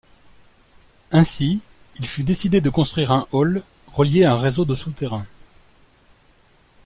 Ainsi, il fut décidé de construire un hall relié à un réseau de souterrains.